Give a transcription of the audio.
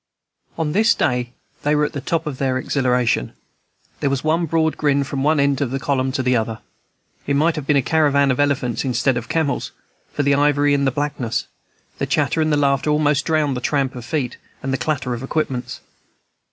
On this day they were at the top of exhilaration. There was one broad grin from one end of the column to the other; it might soon have been a caravan of elephants instead of camels, for the ivory and the blackness; the chatter and the laughter almost drowned the tramp of feet and the clatter of equipments.